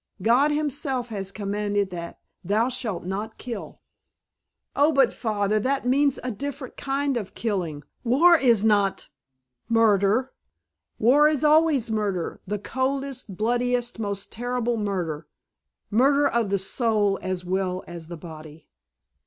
God Himself has commanded that 'Thou shalt not kill.'" "Oh, but, Father, that means a different kind of killing. War is not murder!" "War is always murder. The coldest, bloodiest, most terrible murder. Murder of the soul as well as the body."